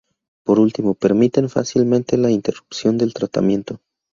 Por último, permiten fácilmente la interrupción del tratamiento.